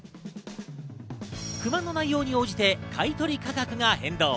不満の内容に応じて買い取り価格が変動。